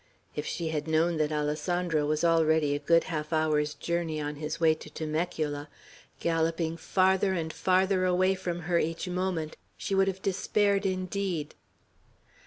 If she had known that Alessandro was already a good half hour's journey on his way to Temecula, galloping farther and farther away from her each moment, she would have despaired indeed.